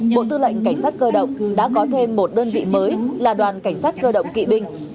bộ tư lệnh cảnh sát cơ động đã có thêm một đơn vị mới là đoàn cảnh sát cơ động kỵ binh